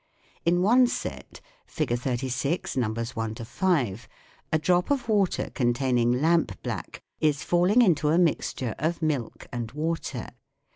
In one set (Fig. 36, Nos. i to 5) a drop of water containing lampblack is falling into a mixture of milk and water.